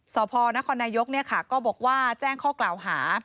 สอพอมเมืองนครนายกค่ะก็บอกว่าแจ้งข้อกล่าวหา